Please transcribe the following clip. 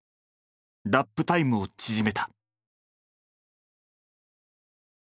ラップタイムを縮めた。